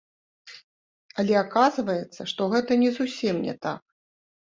Але аказваецца, што гэта не зусім не так!